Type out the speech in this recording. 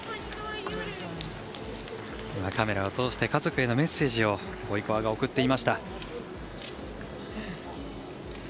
カメラを通して、家族へのメッセージをボイコワが送っていました。